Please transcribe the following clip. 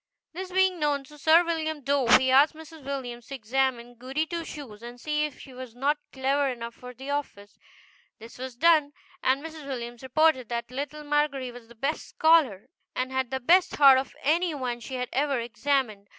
This being known to Sir William Dove, he asked Mrs. Williams to examine Goody Two Shoes and see if she was not clever enough for the office. This was done, and Mrs. Williams reported that little Margery was the best scholar, and had the best heart of any one she had ever examined.